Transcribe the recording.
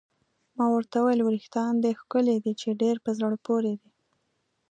ما ورته وویل: وریښتان دې ښکلي دي، چې ډېر په زړه پورې دي.